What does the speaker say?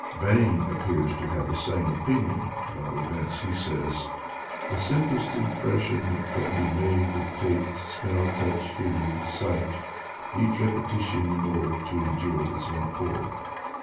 Bain appears to have the same opin ion, at all events he says :*' The simplest impres sion that can be made, of taste, smell, touch, hear ing, sight, needs repetition in order to endure of its own accord."